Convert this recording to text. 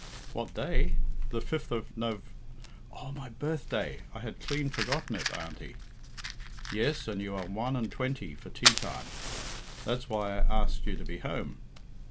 "What day? The fifth of Nov oh, my birthday! I had clean forgotten it, Auntie." "Yes, and you are one and twenty for tea time. That's why I asked you to be home."